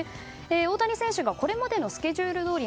大谷選手がこれまでのスケジュールどおり